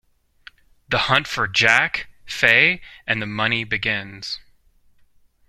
The hunt for Jack, Fay and the money begins.